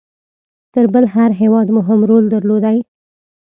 تر بل هر هیواد مهم رول درلودی.